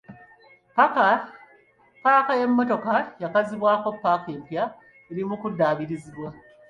Paaka y'emmotoka eyakazibwako paaka empya eri mu kuddaabirizibwa.